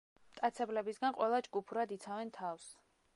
მტაცებლებისგან ყველა ჯგუფურად იცავენ თავს.